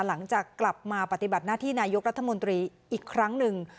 หลังจากกลับมาปฏิบัติหน้าที่นายกรัฐมนตรีอีกครั้งหนึ่ง